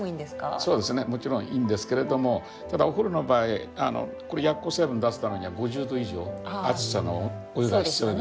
そうですねもちろんいいんですけれどもただお風呂の場合これ薬効成分出すためには５０℃以上熱さのお湯が必要ですよね。